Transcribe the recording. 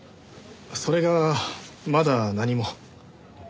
それがまだ何も。